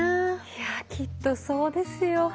いやきっとそうですよ。